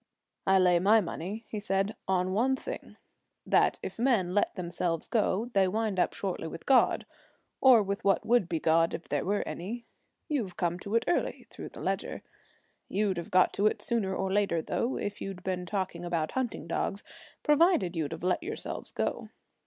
'I lay my money,' he said, 'on one thing: that, if men let themselves go, they wind up shortly with God or with what would be God if there were any. You've come to it early through the Ledger. You'd have got to it sooner or later, though, if you'd been talking about hunting dogs provided you'd have let yourselves go.'